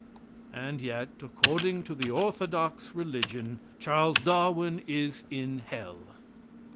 And yet, according to orthodox religion, Charles Darwin is in hell.